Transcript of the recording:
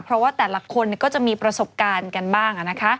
เพราะว่าแต่ละคนก็จะมีประสบการณ์กันบ้าง